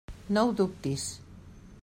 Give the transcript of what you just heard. No ho dubtis.